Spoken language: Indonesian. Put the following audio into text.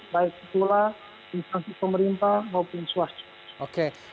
baik sekolah instansi pemerintah maupun swasti